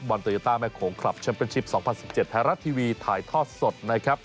โตโยต้าแม่โขงคลับแชมเป็นชิป๒๐๑๗ไทยรัฐทีวีถ่ายทอดสดนะครับ